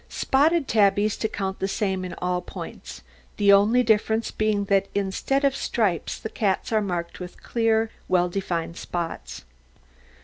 Spotted tabbies to count the same in all points, the only difference being that instead of stripes, the cats are marked with clear, well defined spots.